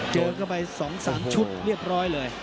เจอก็ไป๒๓ชุดเรียบร้อยเลย